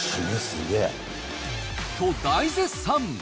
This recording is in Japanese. と、大絶賛。